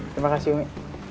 terima kasih umi